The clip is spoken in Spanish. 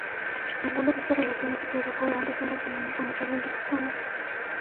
Ninguna de estas relaciones se produjo durante su matrimonio con Isabel de Portugal.